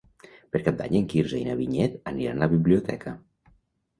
Per Cap d'Any en Quirze i na Vinyet aniran a la biblioteca.